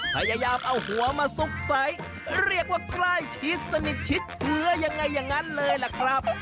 พยายามเอาหัวมาซุกไซส์เรียกว่าใกล้ชิดสนิทชิดเชื้อยังไงอย่างนั้นเลยล่ะครับ